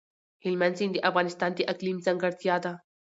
هلمند سیند د افغانستان د اقلیم ځانګړتیا ده.